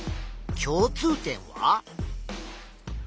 共通点は？